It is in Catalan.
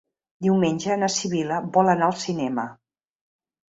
Diumenge na Sibil·la vol anar al cinema.